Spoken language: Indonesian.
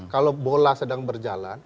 kalau bola sedang berjalan